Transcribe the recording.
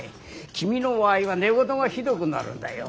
君の場合は寝言がひどくなるんだよ。